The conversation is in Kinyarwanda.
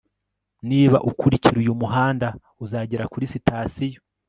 niba ukurikira uyu muhanda, uzagera kuri sitasiyo